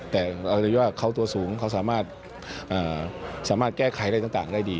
แต่เราจะได้ว่าเขาตัวสูงเขาสามารถแก้ไขอะไรต่างได้ดี